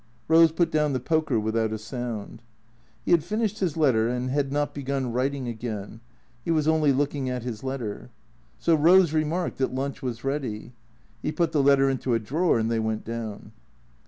Rose put down the poker without a sound. He had finished his letter and had not begun writing again. He was only looking at his letter. So Rose remarked that lunch was ready. He put the letter into a drawer, and they went down.